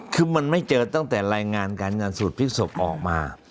คือมันไม่เจอตั้งแต่รายงานการงานสูตรพลิกศพออกมา